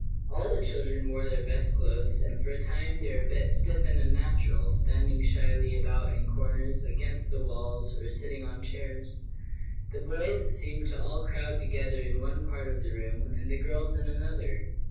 All the children wore their best clothes, and for a time they were a bit stiff and unnatural, standing shyly about in corners, against the walls, or sitting on chairs. The boys seemed to all crowd together in one part of the room, and the girls in another.